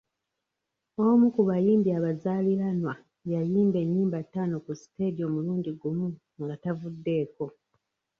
Omu ku bayimbi abazaaliranwa yayimba ennyimba ttaano ku siteegi omulundi gumu nga tavuddeeko.